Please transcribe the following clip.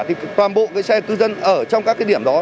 thì toàn bộ cái xe tư dân ở trong các cái điểm đó